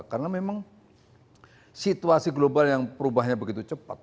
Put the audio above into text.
karena memang situasi global yang perubahnya begitu cepat